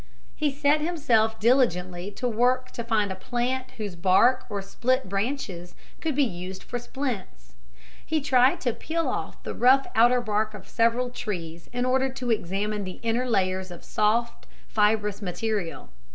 He set himself diligently to work to find a plant whose bark or split branches could be used for splints. He tried to peel off the rough outer bark of several trees in order to examine the inner layers of soft fibrous material.